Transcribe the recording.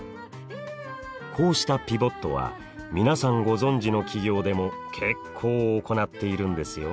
こうしたピボットは皆さんご存じの企業でも結構行っているんですよ。